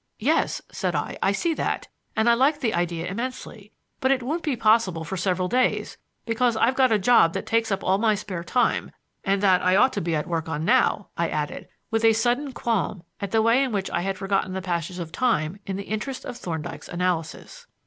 "Yes," said I, "I see that, and I like the idea immensely. But it won't be possible for several days, because I've got a job that takes up all my spare time and that I ought to be at work on now," I added, with a sudden qualm at the way in which I had forgotten the passage of time in the interest of Thorndyke's analysis.